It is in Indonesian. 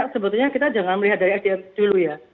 sebetulnya kita jangan melihat dari sdm dulu ya